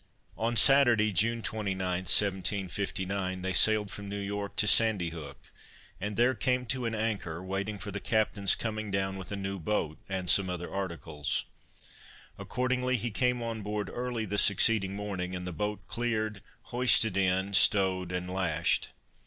On Saturday, June 29th, 1759, they sailed from New York to Sandy Hook, and there came to an anchor, waiting for the captain's coming down with a new boat, and some other articles. Accordingly he came on board early the succeeding morning, and the boat cleared, hoisted in, stowed and lashed.